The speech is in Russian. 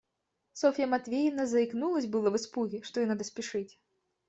Софья Матвеевна заикнулась было в испуге, что ей надо спешить.